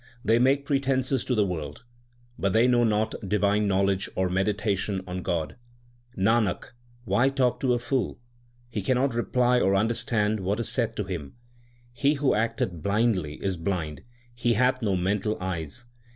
They make pretences to the world, but they know not divine knowledge or meditation on God. Nanak, why talk to a fool ? He cannot reply or under stand what is said to him. He who acteth blindly is blind ; he hath no mental eyes.